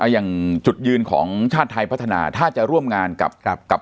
อย่างจุดยืนของชาติไทยพัฒนาถ้าจะร่วมงานกับ